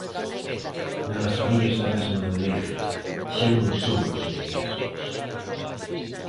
Non a farías da mesma maneira, xa non somos os mesmos.